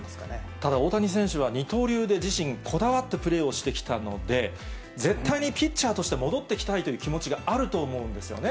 ただ、大谷選手は二刀流で、自身こだわってプレーをしてきたので、絶対にピッチャーとして戻ってきたいという気持ちがあると思うんですよね。